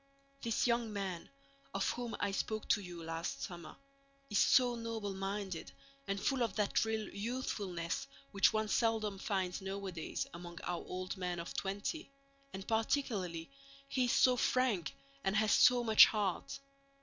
This young man, of whom I spoke to you last summer, is so noble minded and full of that real youthfulness which one seldom finds nowadays among our old men of twenty and, particularly, he is so frank and has so much heart.